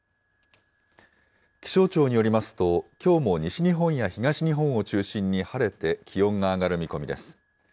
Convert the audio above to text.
気象庁によりますと、きょうも西日本や東日本を中心に晴れて、気温が上がる見込みです。